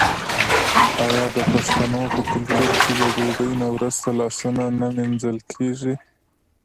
آیا د پښتنو په کلتور کې د ډوډۍ نه وروسته لاسونه نه مینځل کیږي؟